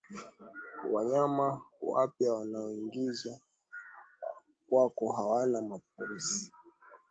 Wanayama wapya wanaoingizwa kwako hawana maambukizi